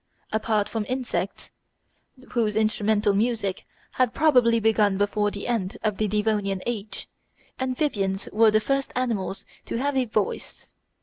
Apart from insects, whose instrumental music had probably begun before the end of the Devonian age, amphibians were the first animals to have a voice.